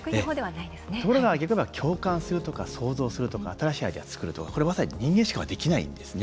ところが共感するとか想像するとか新しいアイデアを作るとかこれはまさに人間しかできないんですね。